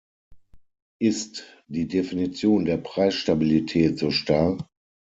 Ist die Definition der Preisstabilität so starr?